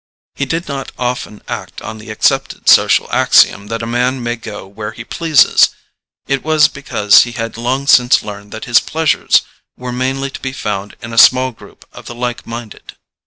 If he did not often act on the accepted social axiom that a man may go where he pleases, it was because he had long since learned that his pleasures were mainly to be found in a small group of the like minded.